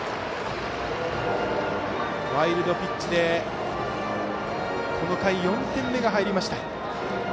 ワイルドピッチでこの回４点目が入りました。